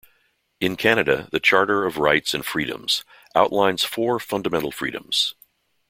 In Canada, the Charter of Rights and Freedoms outlines four Fundamental Freedoms.